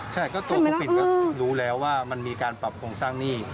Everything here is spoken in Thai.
ตัวครูปิ่นรู้แล้วว่ามันมีการปรับโพงสร้างนี้